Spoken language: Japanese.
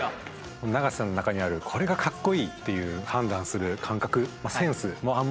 永瀬さんの中にあるこれがかっこいい！っていう判断する感覚